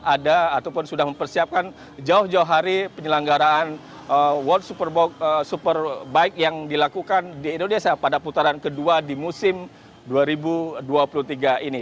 ada ataupun sudah mempersiapkan jauh jauh hari penyelenggaraan world superbike yang dilakukan di indonesia pada putaran kedua di musim dua ribu dua puluh tiga ini